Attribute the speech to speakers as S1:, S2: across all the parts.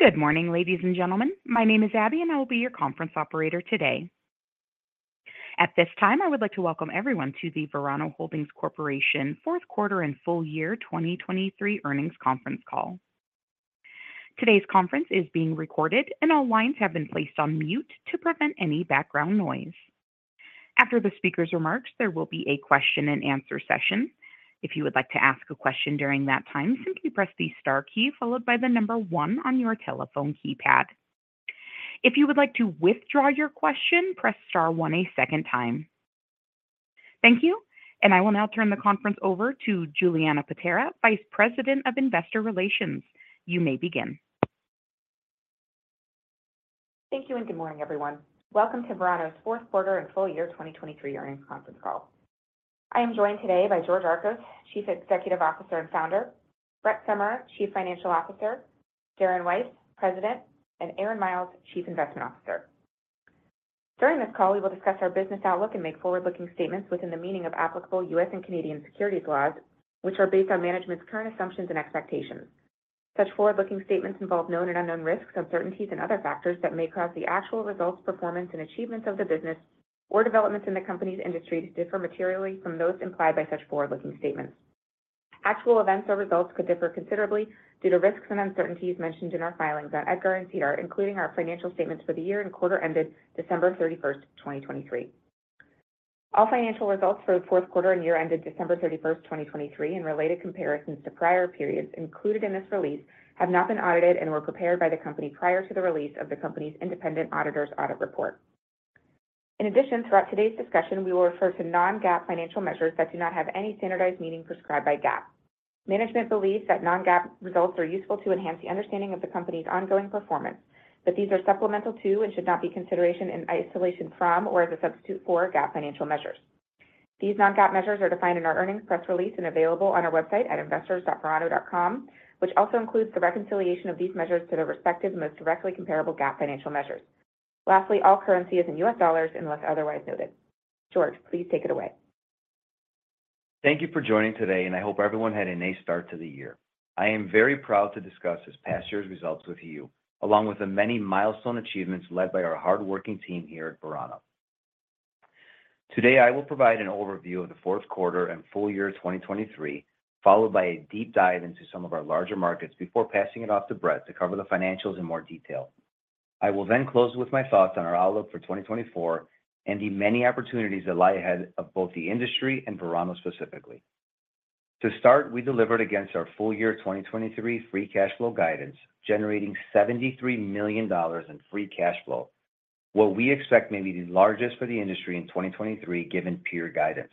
S1: Good morning, ladies and gentlemen. My name is Abby, and I will be your conference operator today. At this time, I would like to welcome everyone to the Verano Holdings Corporation Fourth Quarter and Full Year 2023 Earnings Conference Call. Today's conference is being recorded, and all lines have been placed on mute to prevent any background noise. After the speaker's remarks, there will be a question-and-answer session. If you would like to ask a question during that time, simply press the star key followed by the number one on your telephone keypad. If you would like to withdraw your question, press star one a second time. Thank you, and I will now turn the conference over to Julianna Patera, Vice President of Investor Relations. You may begin.
S2: Thank you, and good morning, everyone. Welcome to Verano's Fourth Quarter and Full Year 2023 Earnings Conference Call. I am joined today by George Archos, Chief Executive Officer and Founder; Brett Summerer, Chief Financial Officer; Darren Weiss, President; and Aaron Miles, Chief Investment Officer. During this call, we will discuss our business outlook and make forward-looking statements within the meaning of applicable U.S. and Canadian securities laws, which are based on management's current assumptions and expectations. Such forward-looking statements involve known and unknown risks, uncertainties, and other factors that may cause the actual results, performance, and achievements of the business or developments in the company's industry to differ materially from those implied by such forward-looking statements. Actual events or results could differ considerably due to risks and uncertainties mentioned in our filings on EDGAR and CR, including our financial statements for the year and quarter ended December 31, 2023. All financial results for the fourth quarter and year ended December 31, 2023, and related comparisons to prior periods included in this release have not been audited and were prepared by the company prior to the release of the company's independent auditor's audit report. In addition, throughout today's discussion, we will refer to non-GAAP financial measures that do not have any standardized meaning prescribed by GAAP. Management believes that non-GAAP results are useful to enhance the understanding of the company's ongoing performance, but these are supplemental to and should not be consideration in isolation from or as a substitute for GAAP financial measures. These non-GAAP measures are defined in our earnings press release and available on our website at investors.verano.com, which also includes the reconciliation of these measures to their respective, most directly comparable GAAP financial measures. Lastly, all currency is in U.S. dollars unless otherwise noted. George, please take it away.
S3: Thank you for joining today, and I hope everyone had a nice start to the year. I am very proud to discuss this past year's results with you, along with the many milestone achievements led by our hardworking team here at Verano. Today, I will provide an overview of the fourth quarter and full year 2023, followed by a deep dive into some of our larger markets before passing it off to Brett to cover the financials in more detail. I will then close with my thoughts on our outlook for 2024 and the many opportunities that lie ahead of both the industry and Verano specifically. To start, we delivered against our full year 2023 Free Cash Flow guidance, generating $73 million in Free Cash Flow, what we expect may be the largest for the industry in 2023, given peer guidance.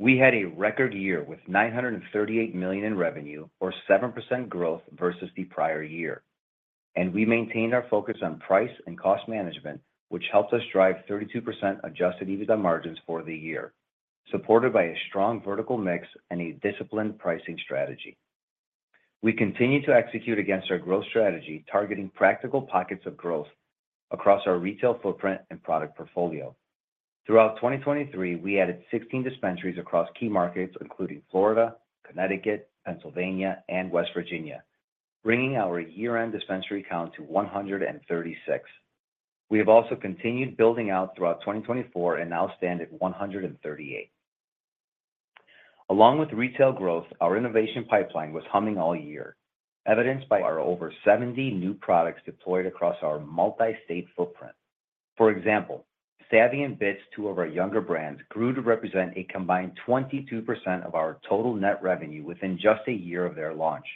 S3: We had a record year with $938 million in revenue or 7% growth versus the prior year, and we maintained our focus on price and cost management, which helped us drive 32% Adjusted EBITDA margins for the year, supported by a strong vertical mix and a disciplined pricing strategy. We continued to execute against our growth strategy, targeting practical pockets of growth across our retail footprint and product portfolio. Throughout 2023, we added 16 dispensaries across key markets, including Florida, Connecticut, Pennsylvania, and West Virginia, bringing our year-end dispensary count to 136. We have also continued building out throughout 2024 and now stand at 138. Along with retail growth, our innovation pipeline was humming all year, evidenced by our over 70 new products deployed across our multi-state footprint. For example, Savvy and Bits, two of our younger brands, grew to represent a combined 22% of our total net revenue within just a year of their launch,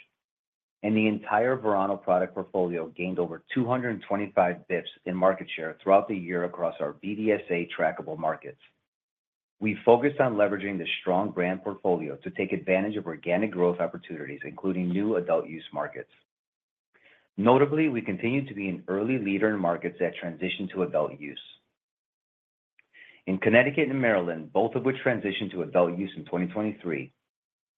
S3: and the entire Verano product portfolio gained over 225 basis points in market share throughout the year across our BDSA trackable markets. We focused on leveraging the strong brand portfolio to take advantage of organic growth opportunities, including new adult use markets. Notably, we continued to be an early leader in markets that transitioned to adult use. In Connecticut and Maryland, both of which transitioned to adult use in 2023,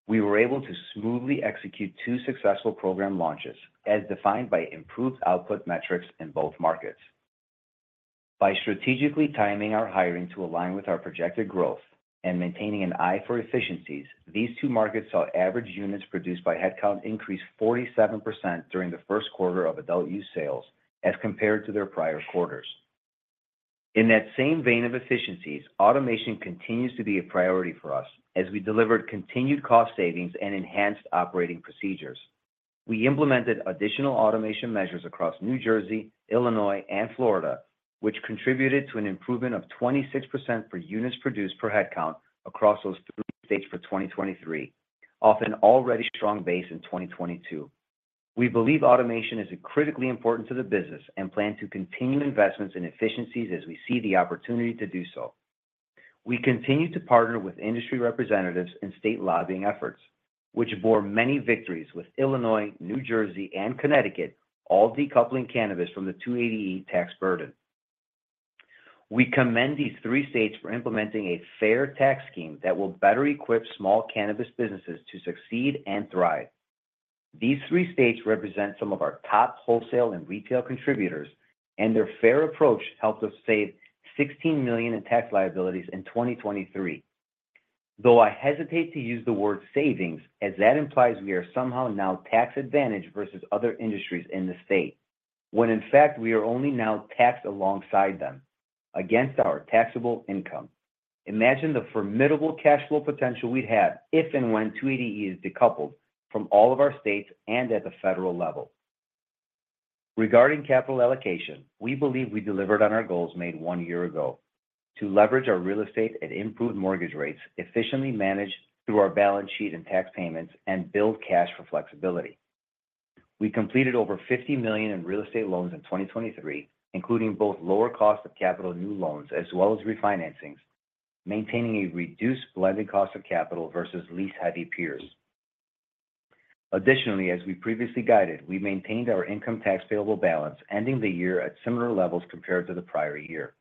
S3: we were able to smoothly execute two successful program launches, as defined by improved output metrics in both markets. By strategically timing our hiring to align with our projected growth and maintaining an eye for efficiencies, these two markets saw average units produced by headcount increase 47% during the first quarter of adult use sales as compared to their prior quarters. In that same vein of efficiencies, automation continues to be a priority for us as we delivered continued cost savings and enhanced operating procedures. We implemented additional automation measures across New Jersey, Illinois, and Florida, which contributed to an improvement of 26% for units produced per headcount across those three states for 2023, off an already strong base in 2022. We believe automation is critically important to the business and plan to continue investments in efficiencies as we see the opportunity to do so. We continue to partner with industry representatives in state lobbying efforts, which bore many victories, with Illinois, New Jersey, and Connecticut all decoupling cannabis from the 280E tax burden. We commend these three states for implementing a fair tax scheme that will better equip small cannabis businesses to succeed and thrive. These three states represent some of our top wholesale and retail contributors, and their fair approach helped us save $16 million in tax liabilities in 2023.... Though I hesitate to use the word savings, as that implies we are somehow now tax-advantaged versus other industries in the state, when in fact, we are only now taxed alongside them against our taxable income. Imagine the formidable cash flow potential we'd have if and when 280E is decoupled from all of our states and at the federal level. Regarding capital allocation, we believe we delivered on our goals made one year ago to leverage our real estate and improve mortgage rates, efficiently manage through our balance sheet and tax payments, and build cash for flexibility. We completed over $50 million in real estate loans in 2023, including both lower cost of capital new loans, as well as refinancings, maintaining a reduced blended cost of capital versus lease-heavy peers. Additionally, as we previously guided, we maintained our income tax payable balance, ending the year at similar levels compared to the prior year.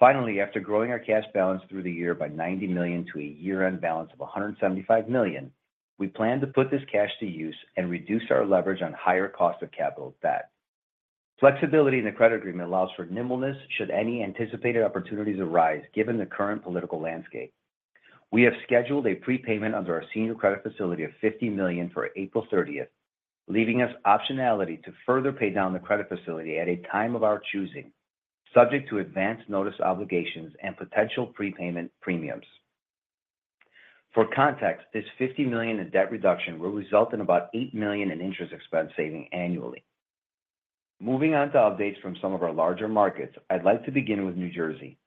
S3: Finally, after growing our cash balance through the year by $90 million to a year-end balance of $175 million, we plan to put this cash to use and reduce our leverage on higher cost of capital debt. Flexibility in the credit agreement allows for nimbleness, should any anticipated opportunities arise, given the current political landscape. We have scheduled a prepayment under our senior credit facility of $50 million for April thirtieth, leaving us optionality to further pay down the credit facility at a time of our choosing, subject to advance notice obligations and potential prepayment premiums. For context, this $50 million in debt reduction will result in about $8 million in interest expense saving annually. Moving on to updates from some of our larger markets, I'd like to begin with New Jersey.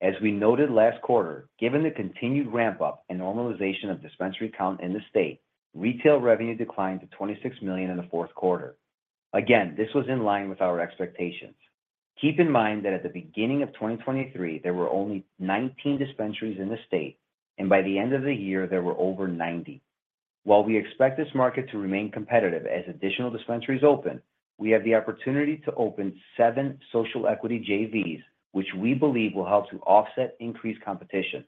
S3: As we noted last quarter, given the continued ramp-up and normalization of dispensary count in the state, retail revenue declined to $26 million in the fourth quarter. Again, this was in line with our expectations. Keep in mind that at the beginning of 2023, there were only 19 dispensaries in the state, and by the end of the year, there were over 90. While we expect this market to remain competitive as additional dispensaries open, we have the opportunity to open 7 social equity JVs, which we believe will help to offset increased competition.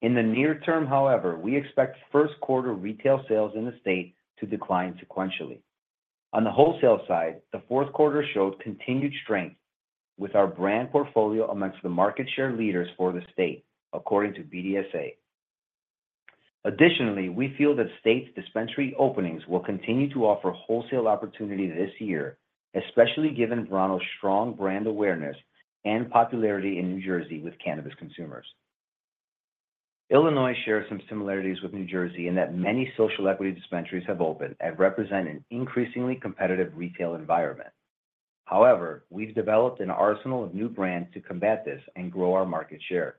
S3: In the near term, however, we expect first quarter retail sales in the state to decline sequentially. On the wholesale side, the fourth quarter showed continued strength with our brand portfolio amongst the market share leaders for the state, according to BDSA. Additionally, we feel that state dispensary openings will continue to offer wholesale opportunity this year, especially given Verano's strong brand awareness and popularity in New Jersey with cannabis consumers. Illinois shares some similarities with New Jersey in that many social equity dispensaries have opened and represent an increasingly competitive retail environment. However, we've developed an arsenal of new brands to combat this and grow our market share,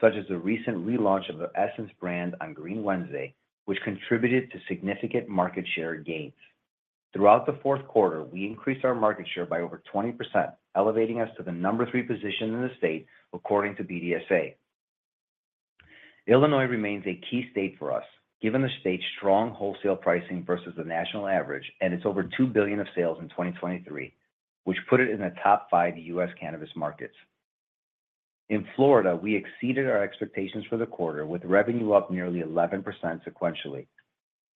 S3: such as the recent relaunch of the Essence brand on Green Wednesday, which contributed to significant market share gains. Throughout the fourth quarter, we increased our market share by over 20%, elevating us to the number 3 position in the state, according to BDSA. Illinois remains a key state for us, given the state's strong wholesale pricing versus the national average, and its over $2 billion of sales in 2023, which put it in the top 5 U.S. cannabis markets. In Florida, we exceeded our expectations for the quarter, with revenue up nearly 11% sequentially.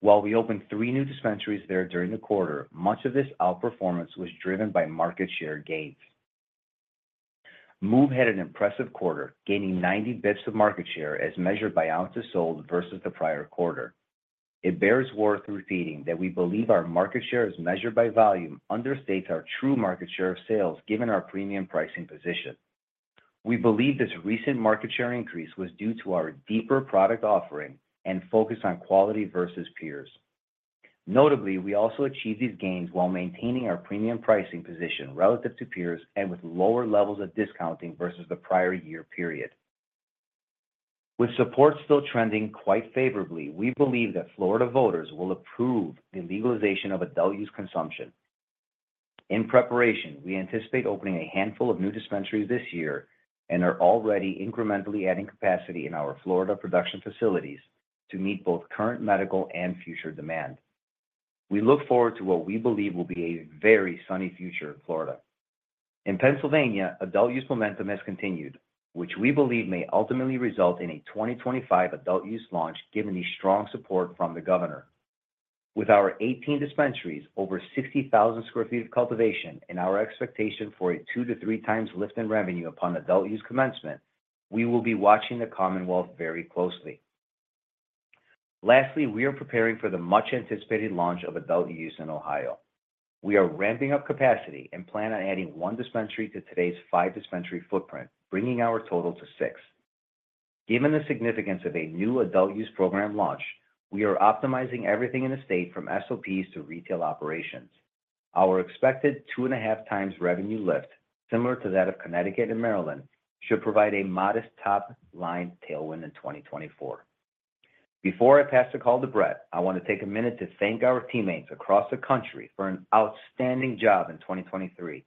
S3: While we opened three new dispensaries there during the quarter, much of this outperformance was driven by market share gains. MÜV had an impressive quarter, gaining 90 basis points of market share as measured by ounces sold versus the prior quarter. It bears worth repeating that we believe our market share as measured by volume, understates our true market share of sales, given our premium pricing position. We believe this recent market share increase was due to our deeper product offering and focus on quality versus peers. Notably, we also achieved these gains while maintaining our premium pricing position relative to peers and with lower levels of discounting versus the prior year period. With support still trending quite favorably, we believe that Florida voters will approve the legalization of adult use consumption. In preparation, we anticipate opening a handful of new dispensaries this year and are already incrementally adding capacity in our Florida production facilities to meet both current medical and future demand. We look forward to what we believe will be a very sunny future in Florida. In Pennsylvania, adult use momentum has continued, which we believe may ultimately result in a 2025 adult use launch, given the strong support from the governor. With our 18 dispensaries, over 60,000 sq ft of cultivation, and our expectation for a 2x-3x lift in revenue upon adult use commencement, we will be watching the Commonwealth very closely. Lastly, we are preparing for the much-anticipated launch of adult use in Ohio. We are ramping up capacity and plan on adding 1 dispensary to today's 5 dispensary footprint, bringing our total to 6. Given the significance of a new adult use program launch, we are optimizing everything in the state from SOPs to retail operations. Our expected 2.5x revenue lift, similar to that of Connecticut and Maryland, should provide a modest top-line tailwind in 2024. Before I pass the call to Brett, I want to take a minute to thank our teammates across the country for an outstanding job in 2023.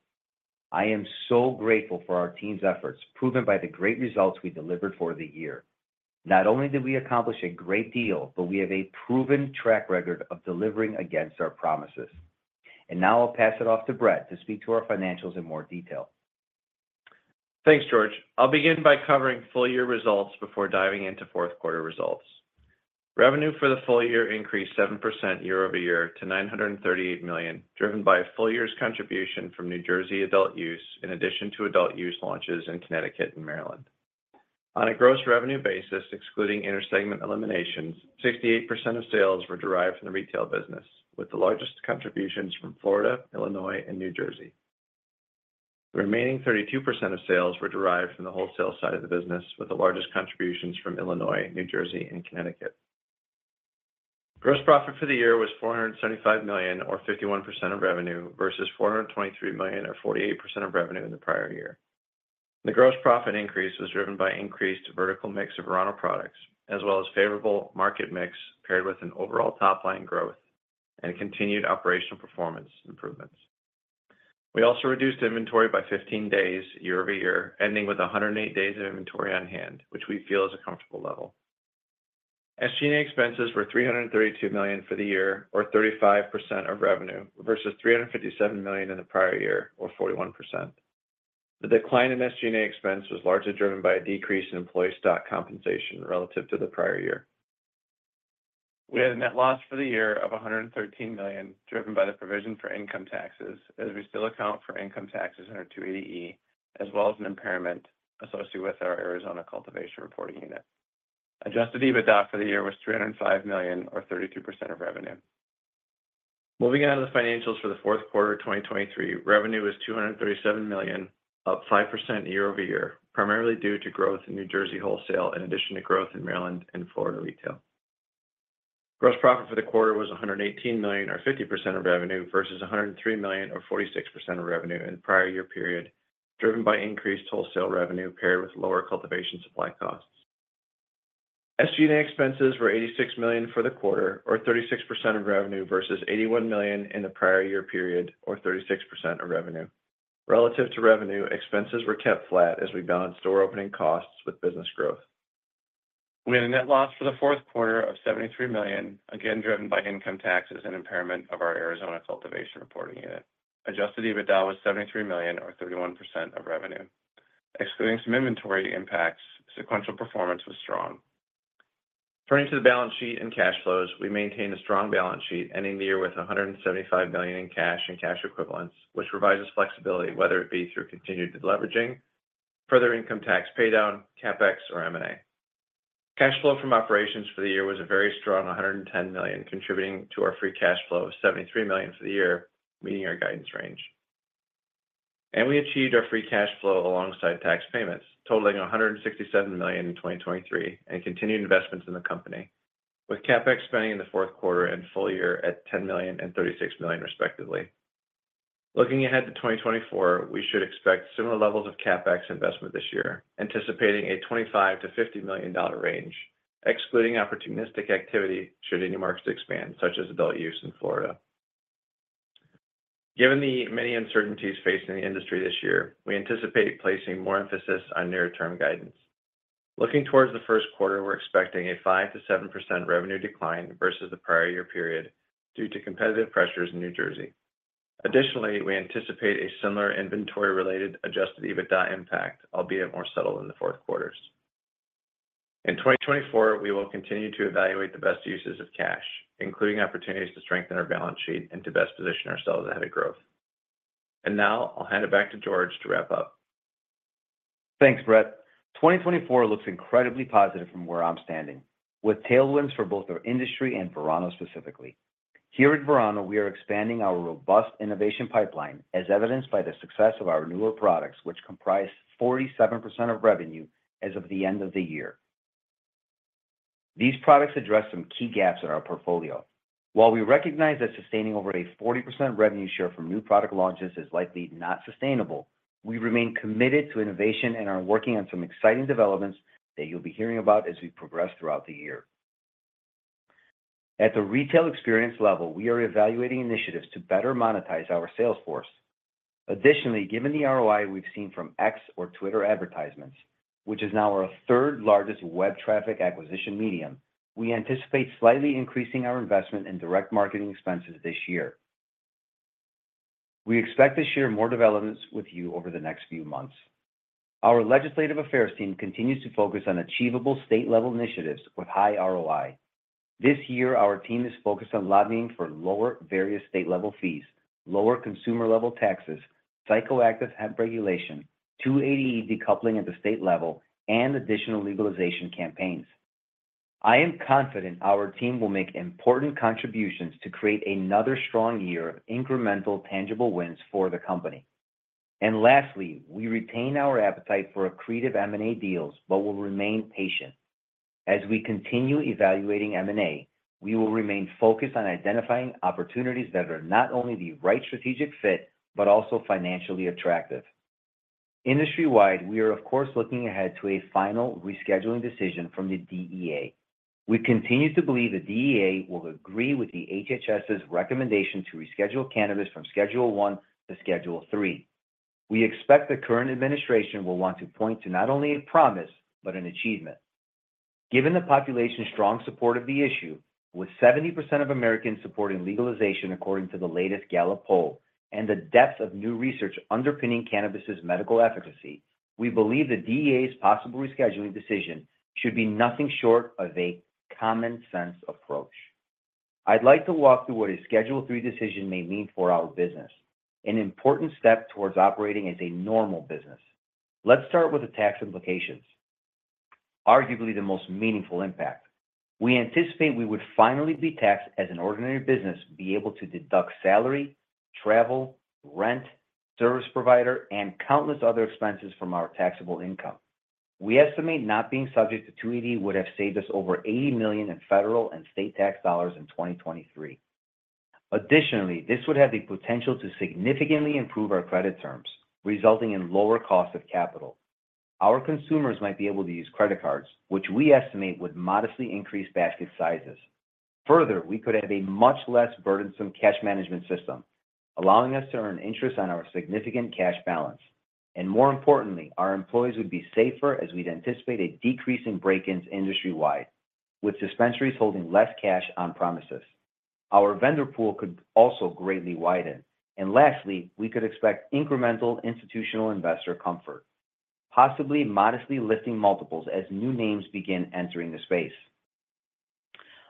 S3: I am so grateful for our team's efforts, proven by the great results we delivered for the year. Not only did we accomplish a great deal, but we have a proven track record of delivering against our promises. Now I'll pass it off to Brett to speak to our financials in more detail.
S4: Thanks, George. I'll begin by covering full year results before diving into fourth quarter results.... Revenue for the full year increased 7% year-over-year to $938 million, driven by a full year's contribution from New Jersey adult use, in addition to adult use launches in Connecticut and Maryland. On a gross revenue basis, excluding intersegment eliminations, 68% of sales were derived from the retail business, with the largest contributions from Florida, Illinois, and New Jersey. The remaining 32% of sales were derived from the wholesale side of the business, with the largest contributions from Illinois, New Jersey, and Connecticut. Gross profit for the year was $475 million, or 51% of revenue, versus $423 million or 48% of revenue in the prior year. The gross profit increase was driven by increased vertical mix of Verano products, as well as favorable market mix, paired with an overall top-line growth and continued operational performance improvements. We also reduced inventory by 15 days year-over-year, ending with 108 days of inventory on hand, which we feel is a comfortable level. SG&A expenses were $332 million for the year, or 35% of revenue, versus $357 million in the prior year, or 41%. The decline in SG&A expense was largely driven by a decrease in employee stock compensation relative to the prior year. We had a net loss for the year of $113 million, driven by the provision for income taxes, as we still account for income taxes in our 280E, as well as an impairment associated with our Arizona cultivation reporting unit. Adjusted EBITDA for the year was $305 million or 32% of revenue. Moving on to the financials for the fourth quarter of 2023, revenue was $237 million, up 5% year-over-year, primarily due to growth in New Jersey wholesale, in addition to growth in Maryland and Florida retail. Gross profit for the quarter was $118 million, or 50% of revenue, versus $103 million, or 46% of revenue in the prior year period, driven by increased wholesale revenue paired with lower cultivation supply costs. SG&A expenses were $86 million for the quarter, or 36% of revenue, versus $81 million in the prior year period, or 36% of revenue. Relative to revenue, expenses were kept flat as we balanced store opening costs with business growth. We had a net loss for the fourth quarter of $73 million, again, driven by income taxes and impairment of our Arizona cultivation reporting unit. Adjusted EBITDA was $73 million or 31% of revenue. Excluding some inventory impacts, sequential performance was strong. Turning to the balance sheet and cash flows, we maintained a strong balance sheet, ending the year with $175 million in cash and cash equivalents, which provides us flexibility, whether it be through continued deleveraging, further income tax paydown, CapEx, or M&A. Cash flow from operations for the year was a very strong 110 million, contributing to our free cash flow of $73 million for the year, meeting our guidance range. We achieved our free cash flow alongside tax payments, totaling $167 million in 2023, and continued investments in the company, with CapEx spending in the fourth quarter and full year at $10 million and $36 million, respectively. Looking ahead to 2024, we should expect similar levels of CapEx investment this year, anticipating a $25 million-$50 million range, excluding opportunistic activity should any markets expand, such as adult use in Florida. Given the many uncertainties facing the industry this year, we anticipate placing more emphasis on near-term guidance. Looking towards the first quarter, we're expecting a 5%-7% revenue decline versus the prior year period due to competitive pressures in New Jersey. Additionally, we anticipate a similar inventory-related adjusted EBITDA impact, albeit more subtle in the fourth quarters. In 2024, we will continue to evaluate the best uses of cash, including opportunities to strengthen our balance sheet and to best position ourselves ahead of growth. Now I'll hand it back to George to wrap up.
S3: Thanks, Brett. 2024 looks incredibly positive from where I'm standing, with tailwinds for both our industry and Verano, specifically. Here at Verano, we are expanding our robust innovation pipeline, as evidenced by the success of our newer products, which comprise 47% of revenue as of the end of the year. These products address some key gaps in our portfolio. While we recognize that sustaining over a 40% revenue share from new product launches is likely not sustainable, we remain committed to innovation and are working on some exciting developments that you'll be hearing about as we progress throughout the year. At the retail experience level, we are evaluating initiatives to better monetize our sales force. Additionally, given the ROI we've seen from X or Twitter advertisements, which is now our third largest web traffic acquisition medium, we anticipate slightly increasing our investment in direct marketing expenses this year. We expect to share more developments with you over the next few months. Our legislative affairs team continues to focus on achievable state-level initiatives with high ROI. This year, our team is focused on lobbying for lower various state-level fees, lower consumer-level taxes, psychoactive hemp regulation, 280E decoupling at the state level, and additional legalization campaigns. I am confident our team will make important contributions to create another strong year of incremental, tangible wins for the company. And lastly, we retain our appetite for accretive M&A deals but will remain patient. As we continue evaluating M&A, we will remain focused on identifying opportunities that are not only the right strategic fit, but also financially attractive. Industry-wide, we are, of course, looking ahead to a final rescheduling decision from the DEA. We continue to believe the DEA will agree with the HHS's recommendation to reschedule cannabis from Schedule I to Schedule III. We expect the current administration will want to point to not only a promise, but an achievement. Given the population's strong support of the issue, with 70% of Americans supporting legalization, according to the latest Gallup poll, and the depth of new research underpinning cannabis's medical efficacy. We believe the DEA's possible rescheduling decision should be nothing short of a common sense approach. I'd like to walk through what a Schedule III decision may mean for our business, an important step towards operating as a normal business. Let's start with the tax implications, arguably the most meaningful impact. We anticipate we would finally be taxed as an ordinary business, be able to deduct salary, travel, rent, service provider, and countless other expenses from our taxable income. We estimate not being subject to 280 would have saved us over $80 million in federal and state tax dollars in 2023. Additionally, this would have the potential to significantly improve our credit terms, resulting in lower cost of capital. Our consumers might be able to use credit cards, which we estimate would modestly increase basket sizes. Further, we could have a much less burdensome cash management system, allowing us to earn interest on our significant cash balance. And more importantly, our employees would be safer as we'd anticipate a decrease in break-ins industry-wide, with dispensaries holding less cash on-premises. Our vendor pool could also greatly widen. Lastly, we could expect incremental institutional investor comfort, possibly modestly lifting multiples as new names begin entering the space.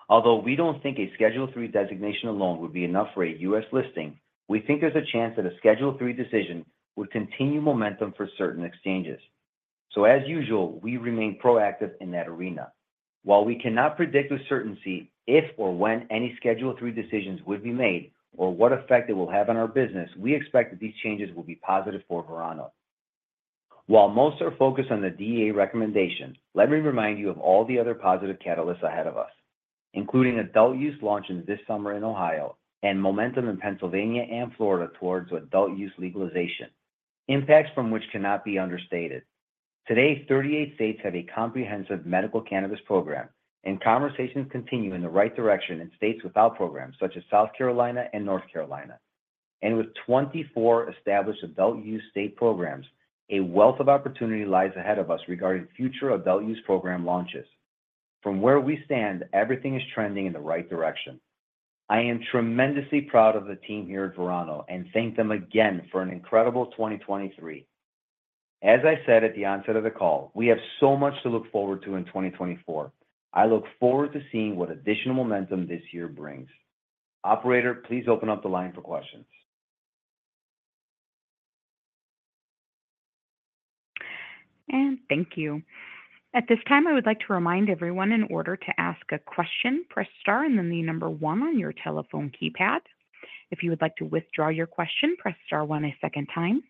S3: Although we don't think a Schedule Three designation alone would be enough for a U.S. listing, we think there's a chance that a Schedule Three decision would continue momentum for certain exchanges. As usual, we remain proactive in that arena. While we cannot predict with certainty if or when any Schedule Three decisions would be made or what effect it will have on our business, we expect that these changes will be positive for Verano. While most are focused on the DEA recommendation, let me remind you of all the other positive catalysts ahead of us, including adult use launches this summer in Ohio and momentum in Pennsylvania and Florida towards adult use legalization, impacts from which cannot be understated. Today, 38 states have a comprehensive medical cannabis program, and conversations continue in the right direction in states without programs, such as South Carolina and North Carolina. With 24 established adult-use state programs, a wealth of opportunity lies ahead of us regarding future adult use program launches. From where we stand, everything is trending in the right direction. I am tremendously proud of the team here at Verano and thank them again for an incredible 2023. As I said at the onset of the call, we have so much to look forward to in 2024. I look forward to seeing what additional momentum this year brings. Operator, please open up the line for questions.
S1: And thank you. At this time, I would like to remind everyone in order to ask a question, press Star and then the number 1 on your telephone keypad. If you would like to withdraw your question, press Star 1 a second time.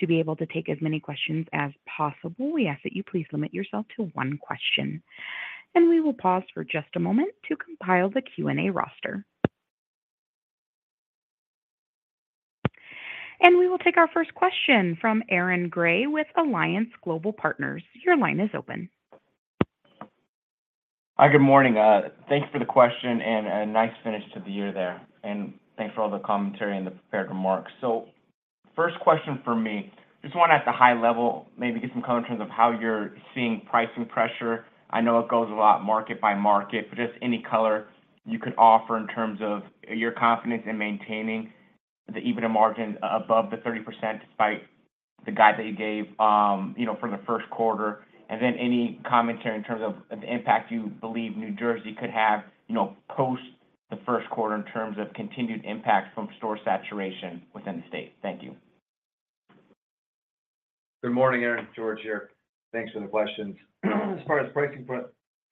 S1: To be able to take as many questions as possible, we ask that you please limit yourself to one question, and we will pause for just a moment to compile the Q&A roster. And we will take our first question from Aaron Grey with Alliance Global Partners. Your line is open.
S5: Hi, good morning. Thanks for the question and a nice finish to the year there, and thanks for all the commentary and the prepared remarks. So first question for me, just want at a high level, maybe get some color in terms of how you're seeing pricing pressure. I know it goes a lot market by market, but just any color you could offer in terms of your confidence in maintaining the EBITDA margin above the 30%, despite the guide that you gave, you know, for the first quarter, and then any commentary in terms of the impact you believe New Jersey could have, you know, post the first quarter in terms of continued impact from store saturation within the state. Thank you.
S3: Good morning, Aaron. George here. Thanks for the questions. As far as pricing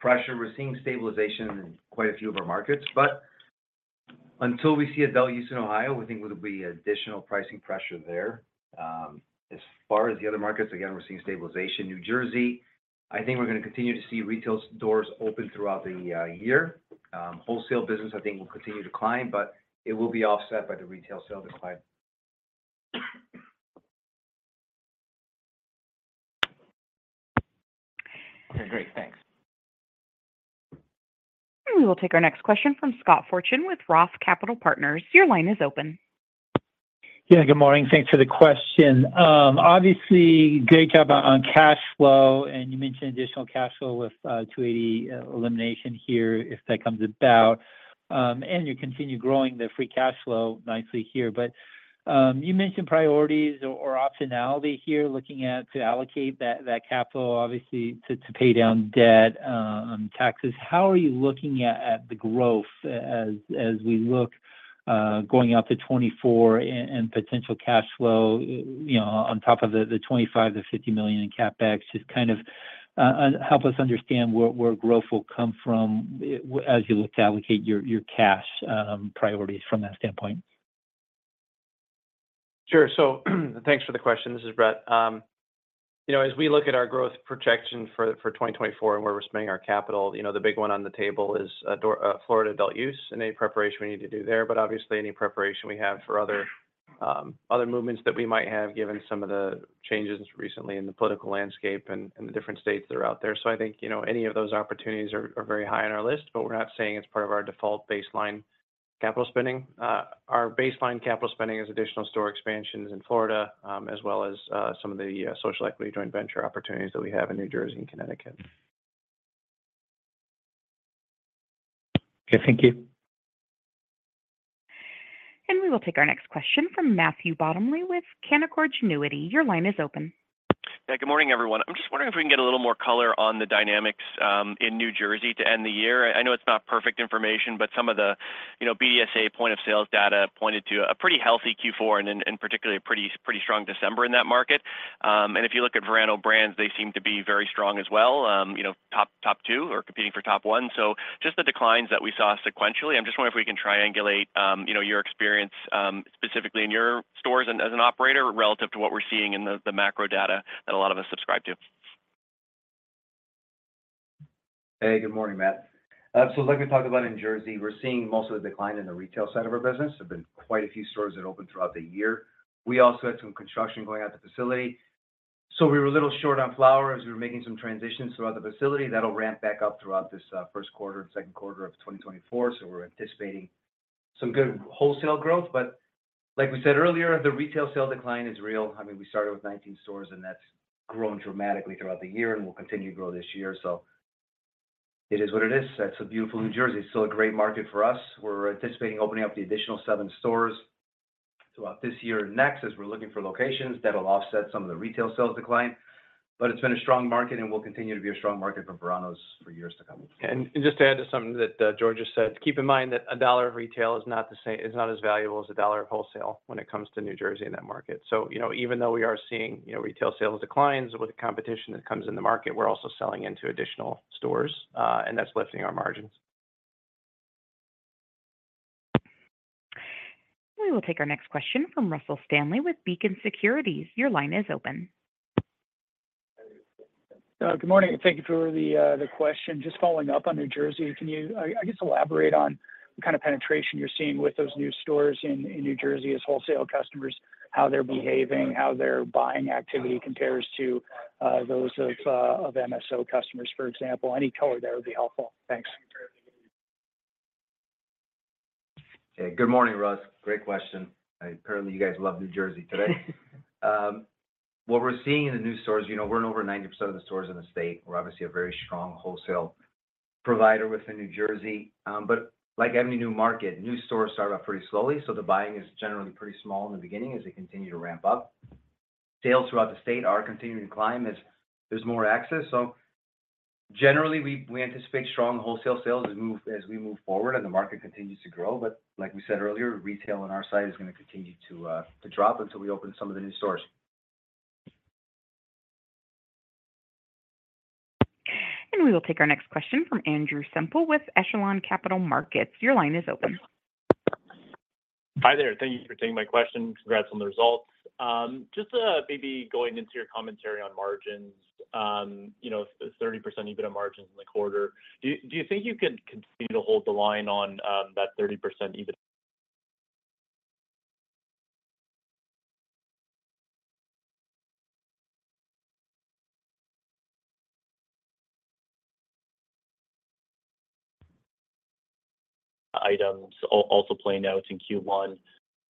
S3: pressure, we're seeing stabilization in quite a few of our markets, but until we see adult use in Ohio, we think there will be additional pricing pressure there. As far as the other markets, again, we're seeing stabilization. New Jersey, I think we're gonna continue to see retail doors open throughout the year. Wholesale business, I think, will continue to decline, but it will be offset by the retail sales decline.
S5: Okay, great. Thanks.
S1: We will take our next question from Scott Fortune with ROTH Capital Partners. Your line is open.
S6: Yeah, good morning. Thanks for the question. Obviously, great job on cash flow, and you mentioned additional cash flow with 280E elimination here, if that comes about, and you continue growing the free cash flow nicely here. But you mentioned priorities or optionality here, looking at to allocate that capital, obviously to pay down debt, taxes. How are you looking at the growth as we look going out to 2024 and potential cash flow, you know, on top of the $25 million-$50 million in CapEx? Just kind of help us understand where growth will come from as you look to allocate your cash priorities from that standpoint.
S4: Sure. So thanks for the question. This is Brett. You know, as we look at our growth projection for 2024 and where we're spending our capital, you know, the big one on the table is Florida adult use, and any preparation we need to do there, but obviously any preparation we have for other movements that we might have, given some of the changes recently in the political landscape and the different states that are out there. So I think, you know, any of those opportunities are very high on our list, but we're not saying it's part of our default baseline capital spending. Our baseline capital spending is additional store expansions in Florida, as well as some of the social equity joint venture opportunities that we have in New Jersey and Connecticut. Okay, thank you.
S1: We will take our next question from Matthew Bottomley with Canaccord Genuity. Your line is open.
S7: Yeah. Good morning, everyone. I'm just wondering if we can get a little more color on the dynamics in New Jersey to end the year. I know it's not perfect information, but some of the, you know, BDSA point of sales data pointed to a pretty healthy Q4, and then, and particularly a pretty, pretty strong December in that market. And if you look at Verano Brands, they seem to be very strong as well, you know, top, top two or competing for top one. So just the declines that we saw sequentially, I'm just wondering if we can triangulate, you know, your experience, specifically in your stores and as an operator relative to what we're seeing in the macro data that a lot of us subscribe to.
S3: Hey, good morning, Matt. So let me talk about in Jersey. We're seeing mostly a decline in the retail side of our business. There've been quite a few stores that opened throughout the year. We also had some construction going on at the facility, so we were a little short on flower as we were making some transitions throughout the facility. That'll ramp back up throughout this first quarter and second quarter of 2024. So we're anticipating some good wholesale growth, but like we said earlier, the retail sale decline is real. I mean, we started with 19 stores, and that's grown dramatically throughout the year, and we'll continue to grow this year. So it is what it is. That's a beautiful New Jersey. It's still a great market for us. We're anticipating opening up the additional 7 stores throughout this year and next, as we're looking for locations that will offset some of the retail sales decline. But it's been a strong market, and will continue to be a strong market for Verano's for years to come.
S4: Just to add to something that George just said, keep in mind that a dollar of retail is not as valuable as a dollar of wholesale when it comes to New Jersey in that market. So, you know, even though we are seeing, you know, retail sales declines with the competition that comes in the market, we're also selling into additional stores, and that's lifting our margins.
S1: We will take our next question from Russell Stanley with Beacon Securities. Your line is open.
S8: Good morning, and thank you for the question. Just following up on New Jersey, can you, I guess, elaborate on what kind of penetration you're seeing with those new stores in New Jersey as wholesale customers, how they're behaving, how their buying activity compares to those of MSO customers, for example? Any color there would be helpful. Thanks.
S3: Hey, good morning, Russ. Great question. Apparently, you guys love New Jersey today. What we're seeing in the new stores, you know, we're in over 90% of the stores in the state. We're obviously a very strong wholesale provider within New Jersey. But like any new market, new stores start up pretty slowly, so the buying is generally pretty small in the beginning as they continue to ramp up. Sales throughout the state are continuing to climb as there's more access. So generally, we, we anticipate strong wholesale sales as we move forward and the market continues to grow. But like we said earlier, retail on our side is gonna continue to drop until we open some of the new stores.
S1: We will take our next question from Andrew Semple with Echelon Capital Markets. Your line is open.
S9: Hi there. Thank you for taking my question. Congrats on the results. Just, maybe going into your commentary on margins, you know, the 30% EBITDA margins in the quarter, do you, do you think you can continue to hold the line on, that 30% EBITDA? Items also play out in Q1.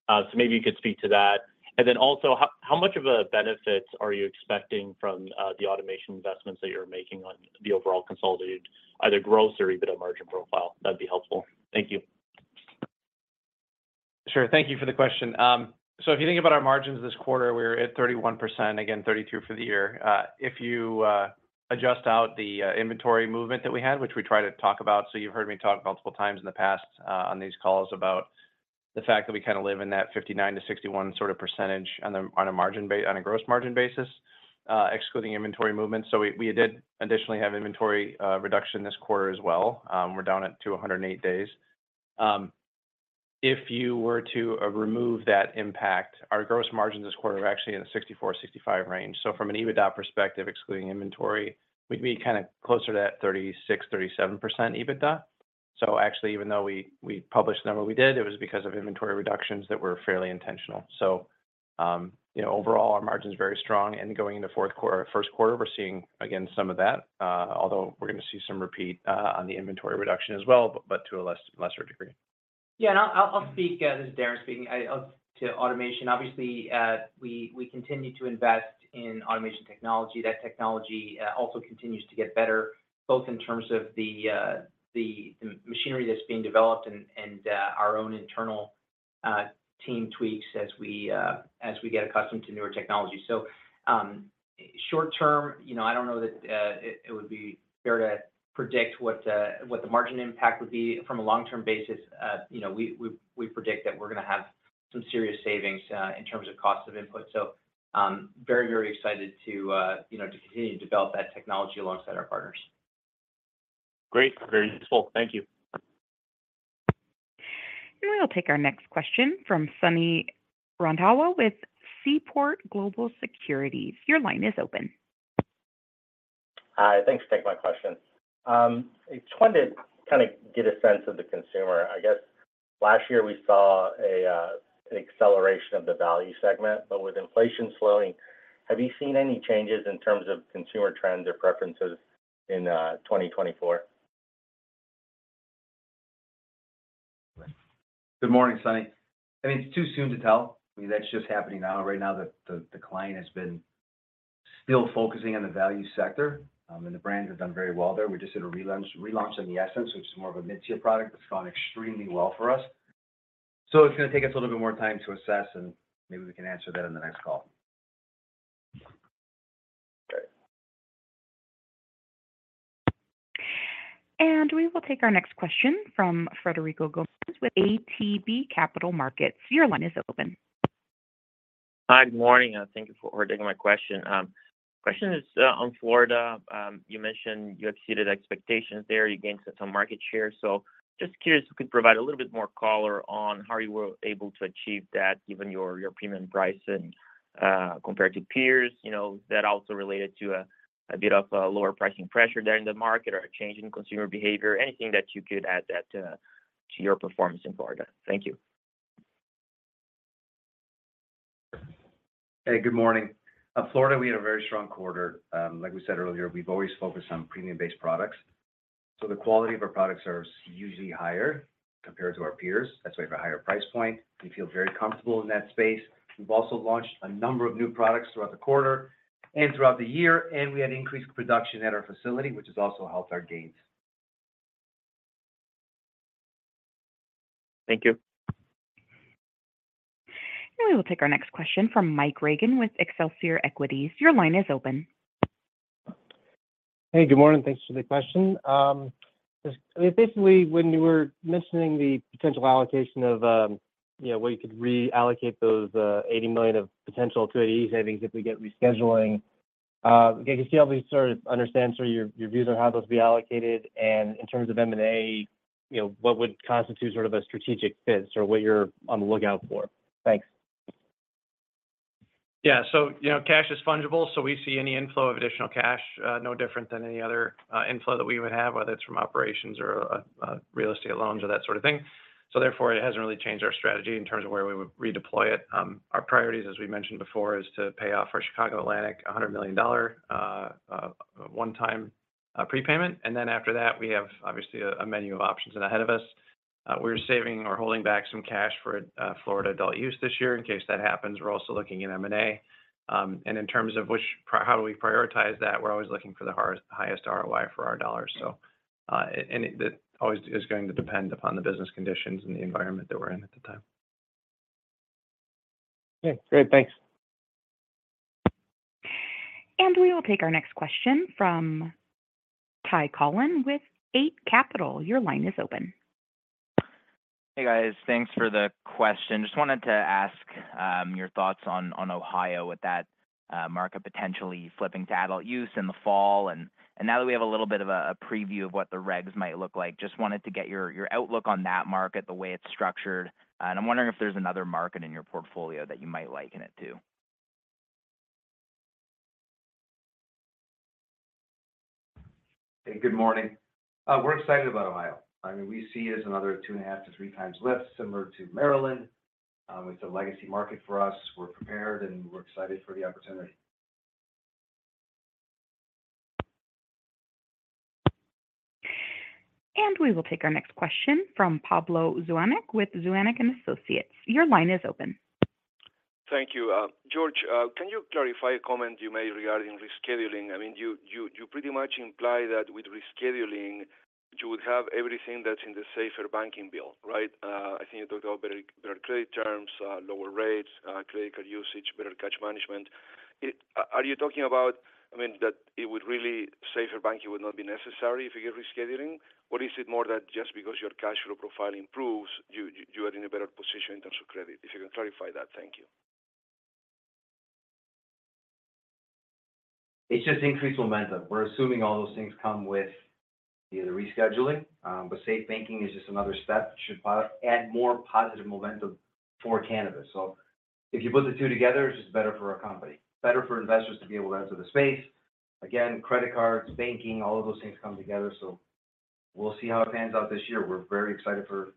S9: So maybe you could speak to that. And then also, how, how much of a benefit are you expecting from, the automation investments that you're making on the overall consolidated, either gross or EBITDA margin profile? That'd be helpful. Thank you.
S4: Sure. Thank you for the question. So if you think about our margins this quarter, we were at 31%. Again, 32% for the year. If you adjust out the inventory movement that we had, which we try to talk about, so you've heard me talk multiple times in the past on these calls about the fact that we kind of live in that 59-61% sort of percentage on a gross margin basis, excluding inventory movement. So we did additionally have inventory reduction this quarter as well. We're down it to 108 days. If you were to remove that impact, our gross margins this quarter were actually in the 64-65% range. So from an EBITDA perspective, excluding inventory, we'd be kind of closer to that 36%-37% EBITDA. So actually, even though we, we published the number we did, it was because of inventory reductions that were fairly intentional. So, you know, overall, our margin's very strong, and going into fourth quarter - first quarter, we're seeing, again, some of that, although we're gonna see some repeat, on the inventory reduction as well, but to a lesser degree.
S10: Yeah, and I'll speak, this is Darren speaking. I, to automation, obviously, we continue to invest in automation technology. That technology also continues to get better, both in terms of the machinery that's being developed and our own internal team tweaks as we get accustomed to newer technology. So, short term, you know, I don't know that it would be fair to predict what the margin impact would be from a long-term basis. You know, we predict that we're gonna have some serious savings in terms of cost of input. So, very, very excited to, you know, to continue to develop that technology alongside our partners.
S9: Great. Very useful. Thank you.
S1: We'll take our next question from Sonny Randhawa with Seaport Global Securities. Your line is open.
S11: Hi, thanks for taking my question. I just wanted to kind of get a sense of the consumer. I guess last year we saw an acceleration of the value segment, but with inflation slowing, have you seen any changes in terms of consumer trends or preferences in 2024?
S3: Good morning, Sonny. I mean, it's too soon to tell. I mean, that's just happening now. Right now, the decline has been still focusing on the value sector, and the brands have done very well there. We just did a relaunch on the Essence, which is more of a mid-tier product. It's gone extremely well for us. So it's gonna take us a little bit more time to assess, and maybe we can answer that on the next call.
S4: Great.
S1: We will take our next question from Frederico Gomes with ATB Capital Markets. Your line is open.
S12: Hi, good morning, and thank you for taking my question. Question is, on Florida. You mentioned you exceeded expectations there. You gained some market share. So just curious, if you could provide a little bit more color on how you were able to achieve that, given your, your premium price and, compared to peers, you know, that also related to a, a bit of, lower pricing pressure there in the market or a change in consumer behavior. Anything that you could add that, to your performance in Florida? Thank you.
S3: Hey, good morning. Florida, we had a very strong quarter. Like we said earlier, we've always focused on premium-based products, so the quality of our products are usually higher compared to our peers. That's why we have a higher price point. We feel very comfortable in that space. We've also launched a number of new products throughout the quarter and throughout the year, and we had increased production at our facility, which has also helped our gains.
S12: Thank you.
S1: We will take our next question from Mike Regan with Excelsior Equities. Your line is open.
S13: Hey, good morning. Thanks for the question. Just, I mean, basically, when you were mentioning the potential allocation of, you know, where you could reallocate those, $80 million of potential to DEA savings if we get rescheduling, can you help me sort of understand, your views on how those will be allocated, and in terms of M&A, you know, what would constitute sort of a strategic fit or what you're on the lookout for? Thanks.
S4: Yeah. So, you know, cash is fungible, so we see any inflow of additional cash, no different than any other inflow that we would have, whether it's from operations or real estate loans or that sort of thing. So therefore, it hasn't really changed our strategy in terms of where we would redeploy it. Our priorities, as we mentioned before, is to pay off our Chicago Atlantic $100 million one-time prepayment, and then after that, we have obviously a menu of options ahead of us. We're saving or holding back some cash for Florida adult use this year in case that happens. We're also looking at M&A. And in terms of which, how do we prioritize that, we're always looking for the highest ROI for our dollars. So, that always is going to depend upon the business conditions and the environment that we're in at the time.
S13: Okay, great. Thanks.
S1: We will take our next question from Ty Collin with Eight Capital. Your line is open.
S14: Hey, guys. Thanks for the question. Just wanted to ask your thoughts on Ohio with that market potentially flipping to adult use in the fall. And now that we have a little bit of a preview of what the regs might look like, just wanted to get your outlook on that market, the way it's structured, and I'm wondering if there's another market in your portfolio that you might liken it to.
S3: Hey, good morning. We're excited about Ohio. I mean, we see it as another 2.5x-3x lift, similar to Maryland. It's a legacy market for us. We're prepared, and we're excited for the opportunity.
S1: We will take our next question from Pablo Zuanich with Zuanich and Associates. Your line is open.
S15: Thank you. George, can you clarify a comment you made regarding rescheduling? I mean, you pretty much imply that with rescheduling, you would have everything that's in the Safer Banking bill, right? I think you talked about better credit terms, lower rates, critical usage, better cash management. Are you talking about, I mean, that it would really, Safer Banking would not be necessary if you get rescheduling? Or is it more that just because your cash flow profile improves, you are in a better position in terms of credit? If you can clarify that, thank you.
S3: It's just increased momentum. We're assuming all those things come with the rescheduling, but safe banking is just another step, should probably add more positive momentum for cannabis. So if you put the two together, it's just better for our company, better for investors to be able to enter the space. Again, credit cards, banking, all of those things come together, so we'll see how it pans out this year. We're very excited for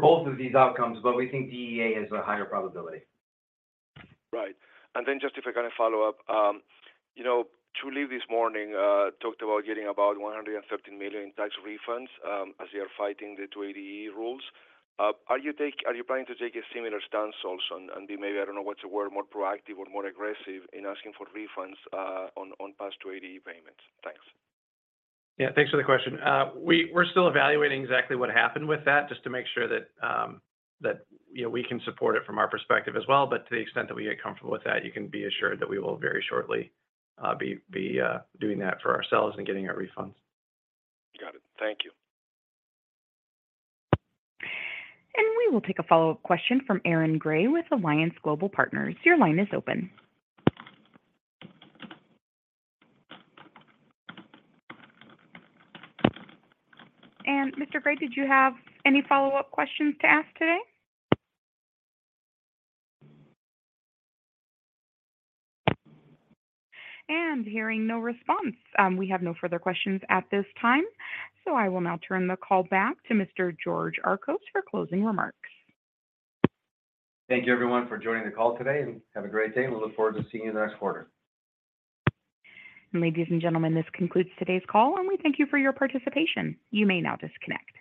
S3: both of these outcomes, but we think DEA is a higher probability.
S15: Right. And then just if I can follow up, you know, Trulieve, this morning, talked about getting about $113 million in tax refunds, as they are fighting the 280E rules. Are you planning to take a similar stance also and, and be maybe, I don't know what's the word, more proactive or more aggressive in asking for refunds, on, on past 280E payments? Thanks.
S4: Yeah. Thanks for the question. We're still evaluating exactly what happened with that, just to make sure that, you know, we can support it from our perspective as well. But to the extent that we get comfortable with that, you can be assured that we will very shortly be doing that for ourselves and getting our refunds.
S15: Got it. Thank you.
S1: We will take a follow-up question from Aaron Grey with Alliance Global Partners. Your line is open. Mr. Grey, did you have any follow-up questions to ask today? Hearing no response, we have no further questions at this time, so I will now turn the call back to Mr. George Archos for closing remarks.
S3: Thank you, everyone, for joining the call today, and have a great day. We look forward to seeing you next quarter.
S1: Ladies and gentlemen, this concludes today's call, and we thank you for your participation. You may now disconnect.